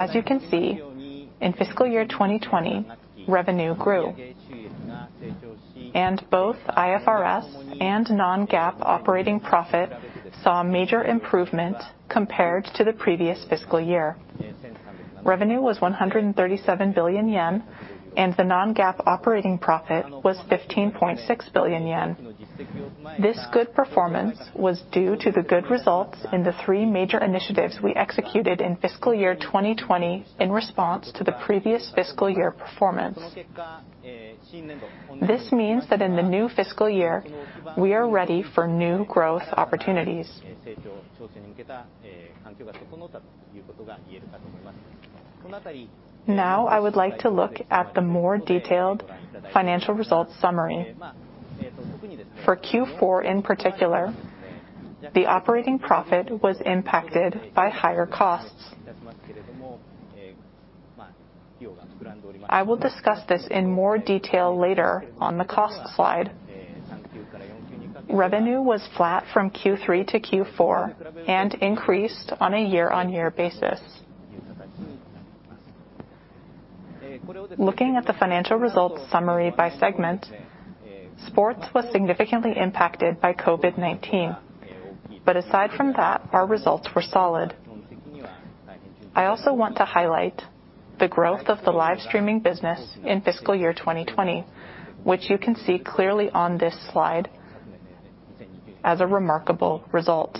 As you can see, in fiscal year 2020, revenue grew, both IFRS and non-GAAP operating profit saw a major improvement compared to the previous fiscal year. Revenue was 137 billion yen, the non-GAAP operating profit was 15.6 billion yen. This good performance was due to the good results in the three major initiatives we executed in fiscal year 2020 in response to the previous fiscal year performance. This means that in the new fiscal year, we are ready for new growth opportunities. I would like to look at the more detailed financial results summary. For Q4 in particular, the operating profit was impacted by higher costs. I will discuss this in more detail later on the cost slide. Revenue was flat from Q3-Q4 and increased on a year-on-year basis. Looking at the financial results summary by segment, sports was significantly impacted by COVID-19. Aside from that, our results were solid. I also want to highlight the growth of the live streaming business in fiscal year 2020, which you can see clearly on this slide as a remarkable result.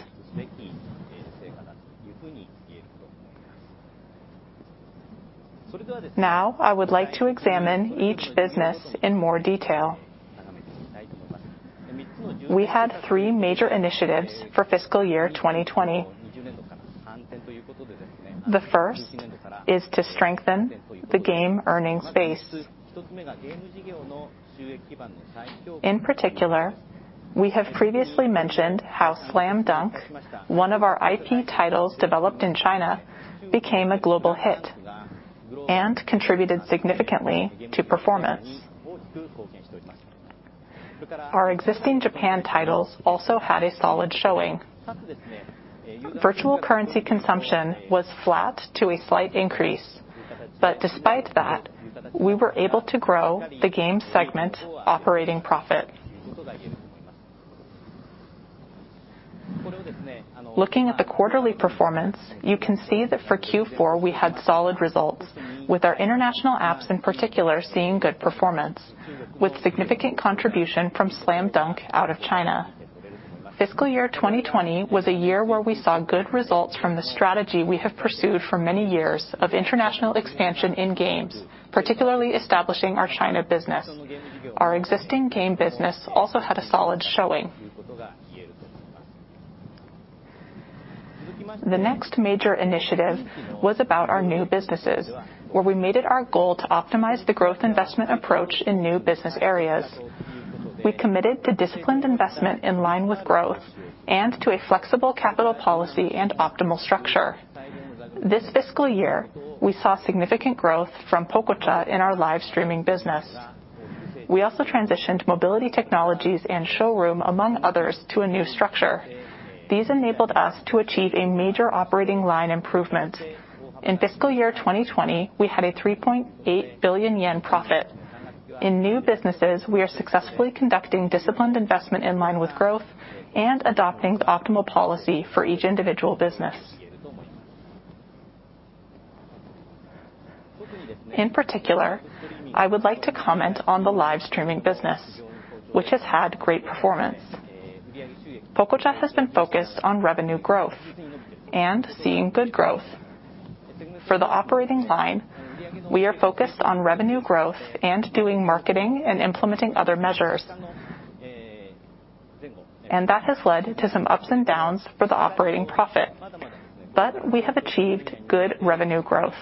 I would like to examine each business in more detail. We had three major initiatives for fiscal year 2020. The first is to strengthen the game earnings base. In particular, we have previously mentioned how Slam Dunk, one of our IP titles developed in China, became a global hit and contributed significantly to performance. Our existing Japan titles also had a solid showing. Virtual currency consumption was flat to a slight increase. Despite that, we were able to grow the game segment operating profit. Looking at the quarterly performance, you can see that for Q4, we had solid results, with our international apps, in particular, seeing good performance with significant contribution from Slam Dunk out of China. Fiscal year 2020 was a year where we saw good results from the strategy we have pursued for many years of international expansion in games, particularly establishing our China business. Our existing game business also had a solid showing. The next major initiative was about our new businesses, where we made it our goal to optimize the growth investment approach in new business areas. We committed to disciplined investment in line with growth and to a flexible capital policy and optimal structure. This fiscal year, we saw significant growth from Pococha in our live streaming business. We also transitioned Mobility Technologies and SHOWROOM, among others, to a new structure. These enabled us to achieve a major operating line improvement. In fiscal year 2020, we had a 3.8 billion yen profit. In new businesses, we are successfully conducting disciplined investment in line with growth and adopting the optimal policy for each individual business. In particular, I would like to comment on the live streaming business, which has had great performance. Pococha has been focused on revenue growth and seeing good growth. For the operating line, we are focused on revenue growth and doing marketing and implementing other measures, and that has led to some ups and downs for the operating profit, but we have achieved good revenue growth.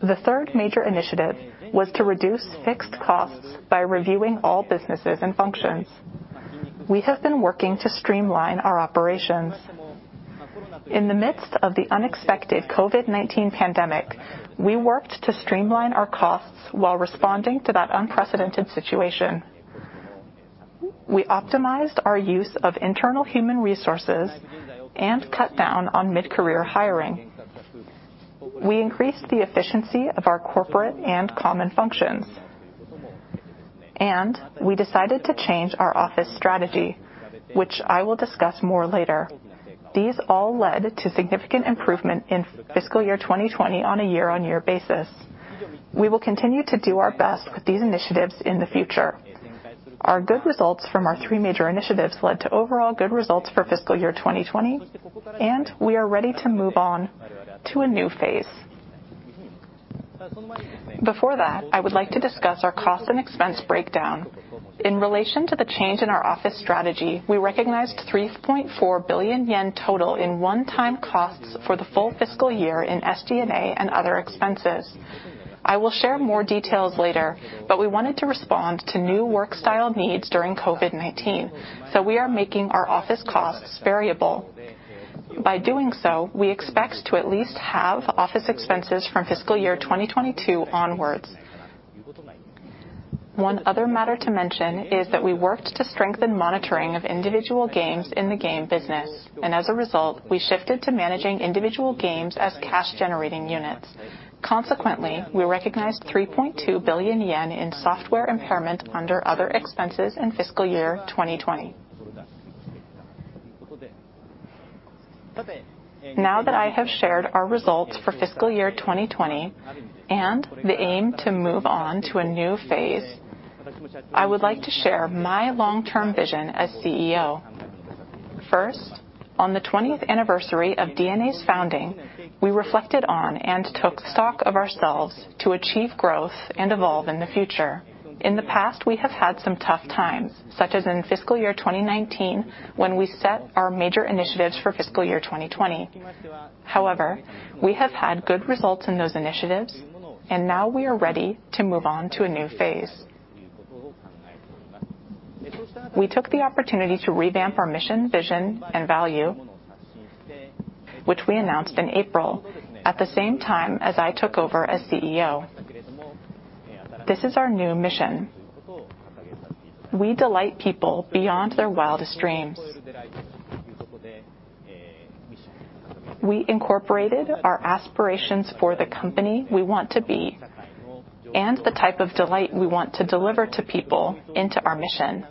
The third major initiative was to reduce fixed costs by reviewing all businesses and functions. We have been working to streamline our operations. In the midst of the unexpected COVID-19 pandemic, we worked to streamline our costs while responding to that unprecedented situation. We optimized our use of internal human resources and cut down on mid-career hiring. We increased the efficiency of our corporate and common functions, we decided to change our office strategy, which I will discuss more later. These all led to significant improvement in fiscal year 2020 on a year-on-year basis. We will continue to do our best with these initiatives in the future. Our good results from our three major initiatives led to overall good results for fiscal year 2020, we are ready to move on to a new phase. Before that, I would like to discuss our cost and expense breakdown. In relation to the change in our office strategy, we recognized 3.4 billion yen total in one-time costs for the full fiscal year in SG&A and other expenses. I will share more details later, but we wanted to respond to new work style needs during COVID-19, so we are making our office costs variable. By doing so, we expect to at least halve office expenses from fiscal year 2022 onwards. One other matter to mention is that we worked to strengthen monitoring of individual games in the game business, and as a result, we shifted to managing individual games as cash-generating units. Consequently, we recognized 3.2 billion yen in software impairment under other expenses in fiscal year 2020. Now that I have shared our results for fiscal year 2020 and the aim to move on to a new phase, I would like to share my long-term vision as CEO. First, on the 20th anniversary of DeNA's founding, we reflected on and took stock of ourselves to achieve growth and evolve in the future. In the past, we have had some tough times, such as in fiscal year 2019, when we set our major initiatives for fiscal year 2020. However, we have had good results in those initiatives, and now we are ready to move on to a new phase. We took the opportunity to revamp our mission, vision and value, which we announced in April, at the same time as I took over as CEO. This is our new mission: We delight people beyond their wildest dreams. We incorporated our aspirations for the company we want to be and the type of delight we want to deliver to people into our mission,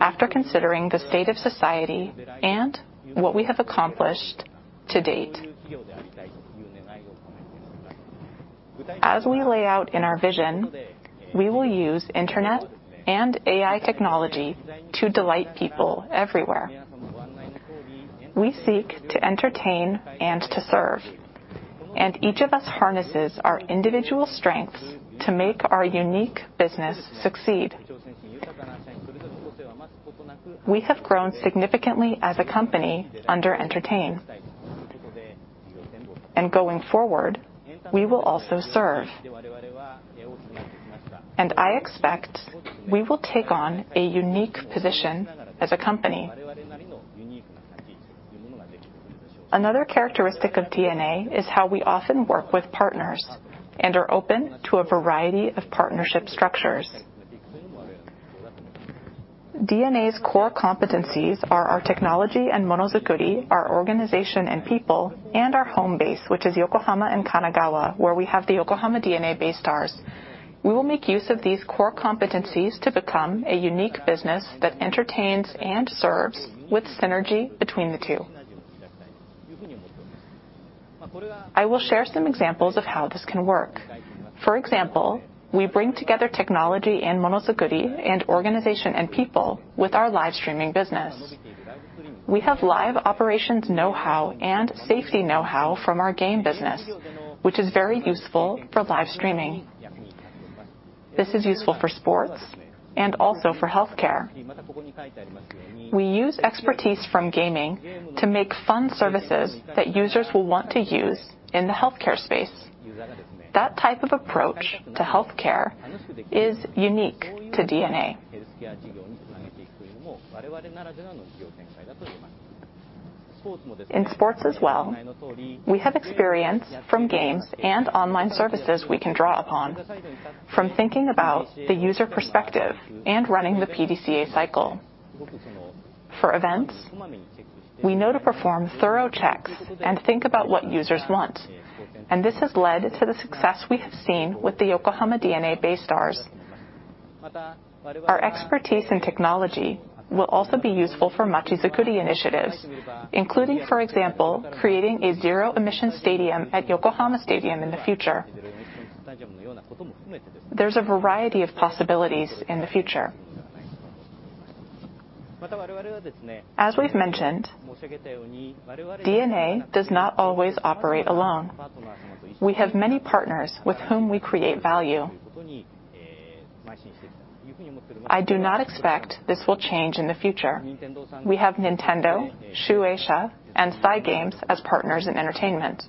after considering the state of society and what we have accomplished to date. As we lay out in our vision, we will use internet and AI technology to delight people everywhere. We seek to entertain and to serve, and each of us harnesses our individual strengths to make our unique business succeed. We have grown significantly as a company under Entertain. Going forward, we will also serve. I expect we will take on a unique position as a company. Another characteristic of DeNA is how we often work with partners and are open to a variety of partnership structures. DeNA's core competencies are our technology and Monozukuri, our organization and people, and our home base, which is Yokohama and Kanagawa, where we have the Yokohama DeNA BayStars. We will make use of these core competencies to become a unique business that entertains and serves with synergy between the two. I will share some examples of how this can work. For example, we bring together technology and Monozukuri and organization and people with our live streaming business. We have live operations know-how and safety know-how from our game business, which is very useful for live streaming. This is useful for sports and also for healthcare. We use expertise from gaming to make fun services that users will want to use in the healthcare space. That type of approach to healthcare is unique to DeNA. In sports as well, we have experience from games and online services we can draw upon from thinking about the user perspective and running the PDCA cycle. For events, we know to perform thorough checks and think about what users want, and this has led to the success we have seen with the Yokohama DeNA BayStars. Our expertise in technology will also be useful for Machizukuri initiatives, including, for example, creating a zero-emission stadium at Yokohama Stadium in the future. There's a variety of possibilities in the future. As we've mentioned, DeNA does not always operate alone. We have many partners with whom we create value. I do not expect this will change in the future. We have Nintendo, Shueisha, and Cygames as partners in entertainment.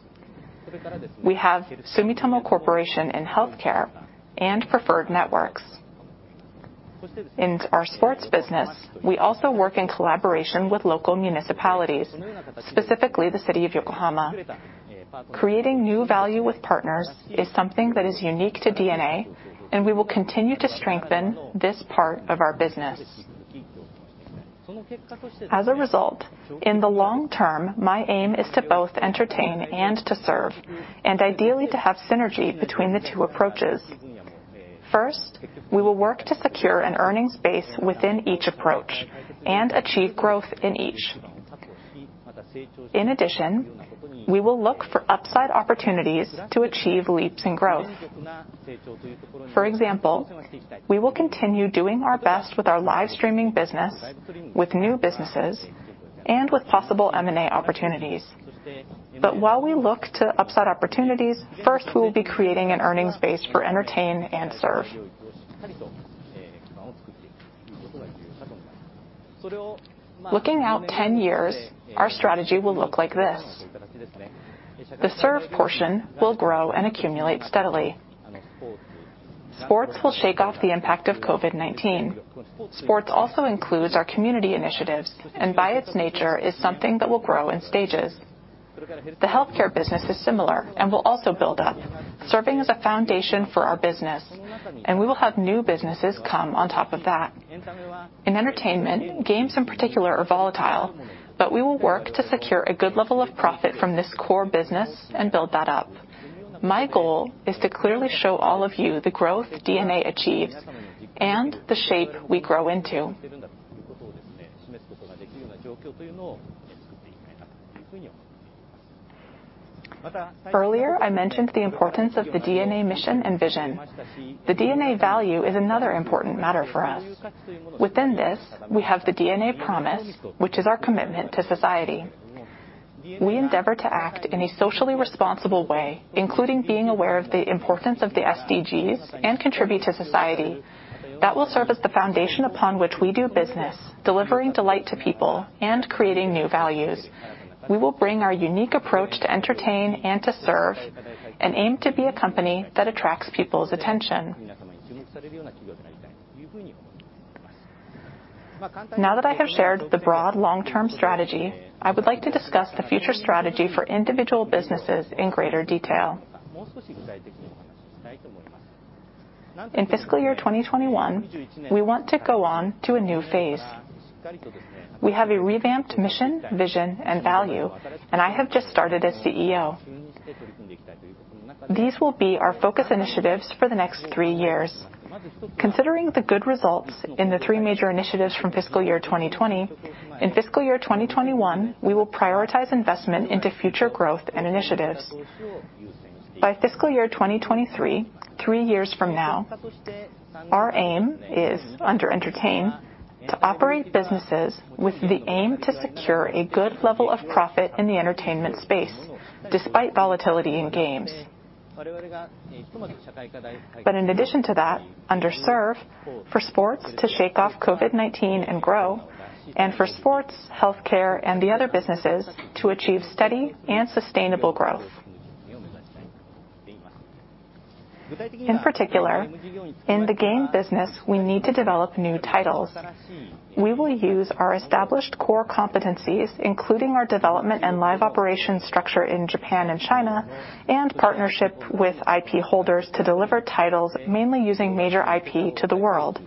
We have Sumitomo Corporation in healthcare and Preferred Networks. In our sports business, we also work in collaboration with local municipalities, specifically the city of Yokohama. Creating new value with partners is something that is unique to DeNA, and we will continue to strengthen this part of our business. As a result, in the long term, my aim is to both entertain and to serve, and ideally to have synergy between the two approaches. First, we will work to secure an earnings base within each approach and achieve growth in each. In addition, we will look for upside opportunities to achieve leaps in growth. For example, we will continue doing our best with our live streaming business, with new businesses, and with possible M&A opportunities. While we look to upside opportunities, first we will be creating an earnings base for entertain and serve. Looking out 10 years, our strategy will look like this. The serve portion will grow and accumulate steadily. Sports will shake off the impact of COVID-19. Sports also includes our community initiatives, and by its nature, is something that will grow in stages. The healthcare business is similar and will also build up, serving as a foundation for our business, and we will have new businesses come on top of that. In entertainment, games in particular are volatile, but we will work to secure a good level of profit from this core business and build that up. My goal is to clearly show all of you the growth DeNA achieves and the shape we grow into. Earlier, I mentioned the importance of the DeNA mission and vision. The DeNA value is another important matter for us. Within this, we have the DeNA promise, which is our commitment to society. We endeavor to act in a socially responsible way, including being aware of the importance of the SDGs, and contribute to society. That will serve as the foundation upon which we do business, delivering delight to people and creating new values. We will bring our unique approach to entertain and to serve, and aim to be a company that attracts people's attention. Now that I have shared the broad long-term strategy, I would like to discuss the future strategy for individual businesses in greater detail. In fiscal year 2021, we want to go on to a new phase. We have a revamped mission, vision, and value, and I have just started as CEO. These will be our focus initiatives for the next three years. Considering the good results in the three major initiatives from fiscal year 2020, in fiscal year 2021, we will prioritize investment into future growth and initiatives. By fiscal year 2023, three years from now, our aim is, under entertain, to operate businesses with the aim to secure a good level of profit in the entertainment space, despite volatility in games. In addition to that, under serve, for sports to shake off COVID-19 and grow, and for sports, healthcare, and the other businesses to achieve steady and sustainable growth. In particular, in the game business, we need to develop new titles. We will use our established core competencies, including our development and live operations structure in Japan and China, and partnership with IP holders to deliver titles mainly using major IP to the world,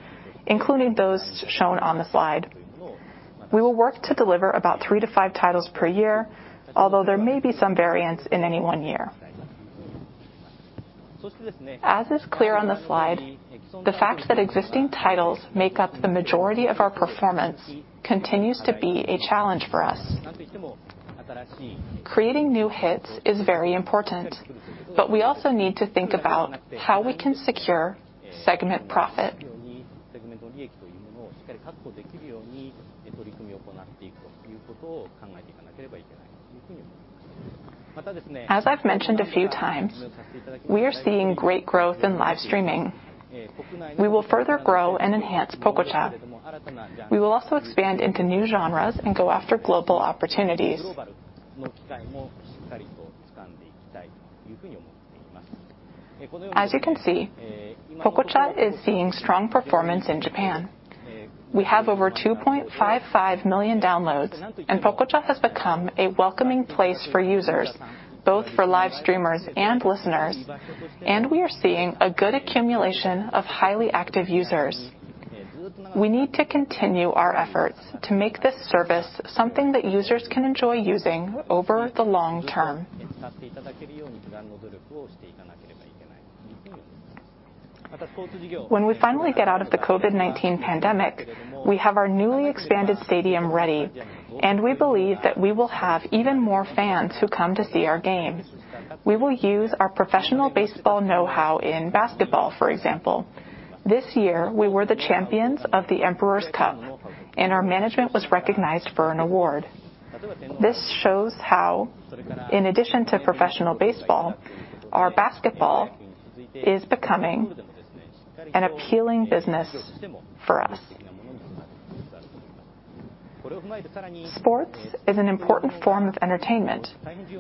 including those shown on the slide. We will work to deliver about three to five titles per year, although there may be some variance in any one year. As is clear on the slide, the fact that existing titles make up the majority of our performance continues to be a challenge for us. Creating new hits is very important, but we also need to think about how we can secure segment profit. As I've mentioned a few times, we are seeing great growth in live streaming. We will further grow and enhance Pococha. We will also expand into new genres and go after global opportunities. As you can see, Pococha is seeing strong performance in Japan. We have over 2.55 million downloads, and Pococha has become a welcoming place for users, both for live streamers and listeners, and we are seeing a good accumulation of highly active users. We need to continue our efforts to make this service something that users can enjoy using over the long term. When we finally get out of the COVID-19 pandemic, we have our newly expanded stadium ready, and we believe that we will have even more fans who come to see our games. We will use our professional baseball know-how in basketball, for example. This year, we were the champions of the Emperor's Cup, and our management was recognized for an award. This shows how, in addition to professional baseball, our basketball is becoming an appealing business for us. Sports is an important form of entertainment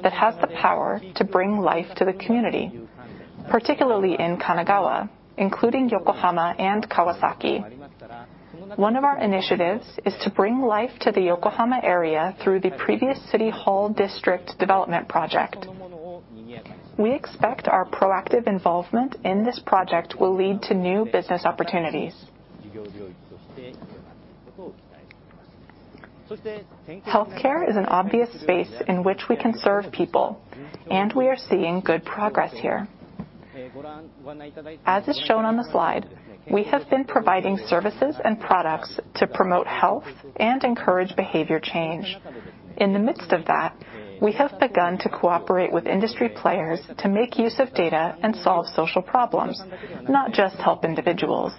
that has the power to bring life to the community, particularly in Kanagawa, including Yokohama and Kawasaki. One of our initiatives is to bring life to the Yokohama area through the previous City Hall District Utilization Project. We expect our proactive involvement in this project will lead to new business opportunities. Healthcare is an obvious space in which we can serve people, and we are seeing good progress here. As is shown on the slide, we have been providing services and products to promote health and encourage behavior change. In the midst of that, we have begun to cooperate with industry players to make use of data and solve social problems, not just help individuals.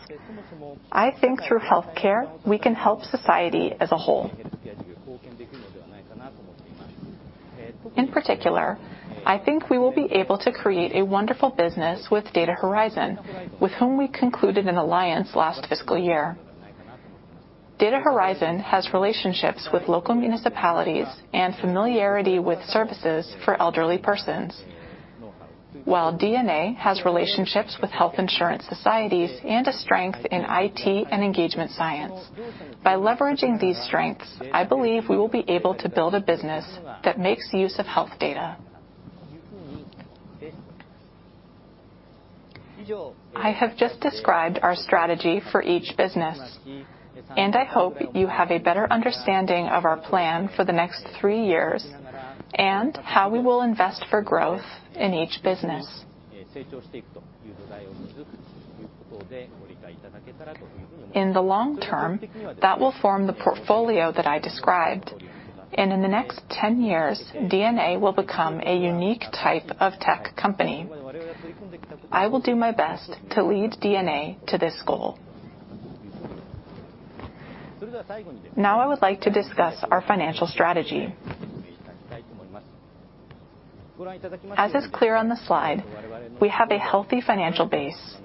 I think through healthcare, we can help society as a whole. In particular, I think we will be able to create a wonderful business with Data Horizon, with whom we concluded an alliance last fiscal year. Data Horizon has relationships with local municipalities and familiarity with services for elderly persons. While DeNA has relationships with health insurance societies and a strength in IT and engagement science. By leveraging these strengths, I believe we will be able to build a business that makes use of health data. I have just described our strategy for each business, and I hope you have a better understanding of our plan for the next three years, and how we will invest for growth in each business. In the long term, that will form the portfolio that I described, and in the next 10 years, DeNA will become a unique type of tech company. I will do my best to lead DeNA to this goal. Now I would like to discuss our financial strategy. As is clear on the slide, we have a healthy financial base.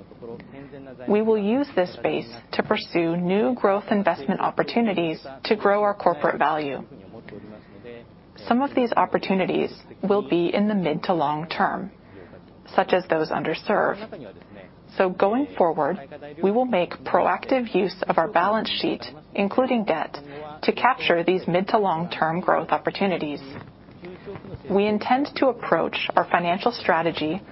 We will use this base to pursue new growth investment opportunities to grow our corporate value. Some of these opportunities will be in the mid to long term, such as those under serve. Going forward, we will make proactive use of our balance sheet, including debt, to capture these mid to long-term growth opportunities. We intend to approach our financial strategy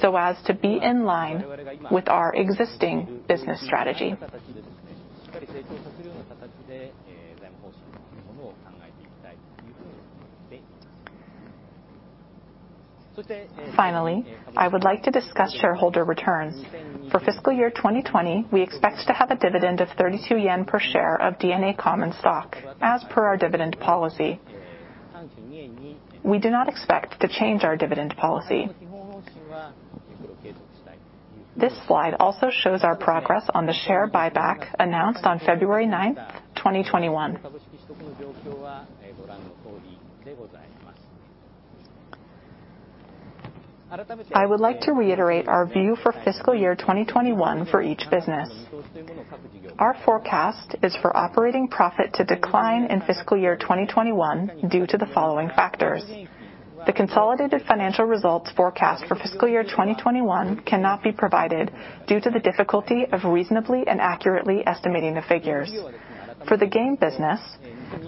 so as to be in line with our existing business strategy. Finally, I would like to discuss shareholder returns. For fiscal year 2020, we expect to have a dividend of 32 yen per share of DeNA common stock as per our dividend policy. We do not expect to change our dividend policy. This slide also shows our progress on the share buyback announced on February 9th, 2021. I would like to reiterate our view for fiscal year 2021 for each business. Our forecast is for operating profit to decline in fiscal year 2021 due to the following factors. The consolidated financial results forecast for fiscal year 2021 cannot be provided due to the difficulty of reasonably and accurately estimating the figures. For the game business,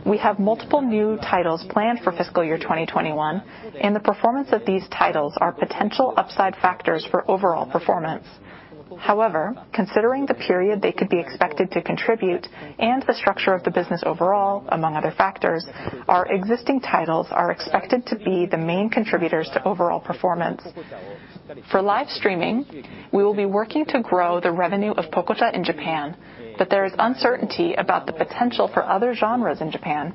we have multiple new titles planned for fiscal year 2021, and the performance of these titles are potential upside factors for overall performance. However, considering the period they could be expected to contribute and the structure of the business overall, among other factors, our existing titles are expected to be the main contributors to overall performance. For live streaming, we will be working to grow the revenue of Pococha in Japan, but there is uncertainty about the potential for other genres in Japan,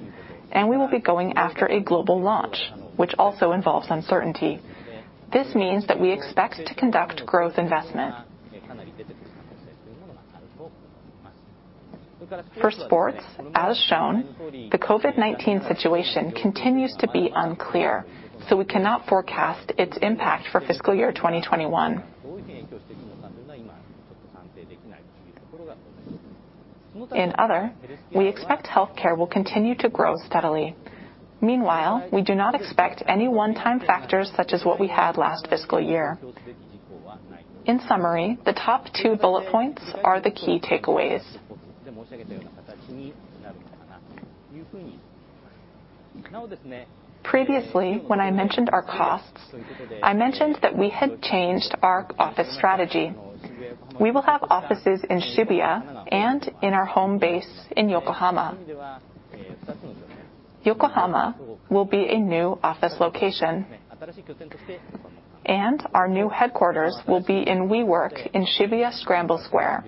and we will be going after a global launch, which also involves uncertainty. This means that we expect to conduct growth investment. For sports, as shown, the COVID-19 situation continues to be unclear, so we cannot forecast its impact for fiscal year 2021. In other, we expect healthcare will continue to grow steadily. Meanwhile, we do not expect any one-time factors such as what we had last fiscal year. In summary, the top two bullet points are the key takeaways. Previously, when I mentioned our costs, I mentioned that we had changed our office strategy. We will have offices in Shibuya and in our home base in Yokohama. Yokohama will be a new office location, and our new headquarters will be in WeWork in Shibuya Scramble Square.